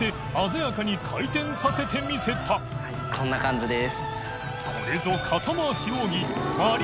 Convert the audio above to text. はいこんな感じです。